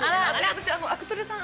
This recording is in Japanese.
私アクトレさん。